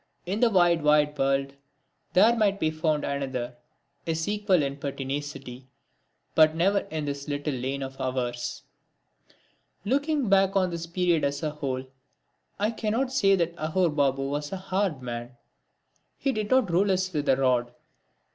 In the wide wide world there might be found another, his equal in pertinacity, but never in this little lane of ours. Looking back on his period as a whole, I cannot say that Aghore Babu was a hard man. He did not rule us with a rod.